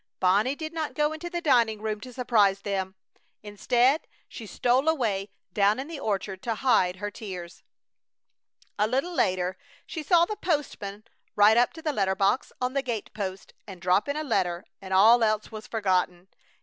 Bonnie did not go into the dining room to surprise them. Instead, she stole away down in the orchard to hide her tears. A little later she saw the postman ride up to the letter box on the gate post and drop in a letter, and all else was forgotten.